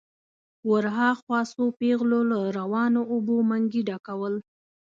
ور هاخوا څو پېغلو له روانو اوبو منګي ډکول.